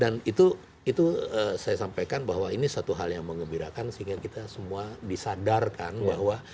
dan itu saya sampaikan bahwa ini satu hal yang mengembirakan sehingga kita semua disadarkan bahwa